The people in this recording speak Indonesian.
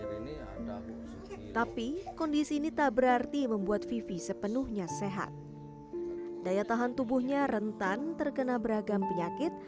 dan keadaan yang terjadi di dalam kondisi ini tidak berarti membuat vivi sepenuhnya sehat daya tahan tubuhnya rentan terkena beragam penyakit